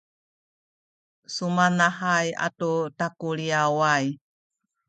sumanahay atu takuliyaway